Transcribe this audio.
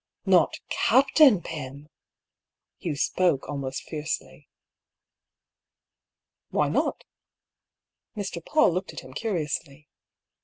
" Not Captain Pym ?" Hugh spoke almost fiercely. " Why not ?" Mr. PauU looked at him curiously.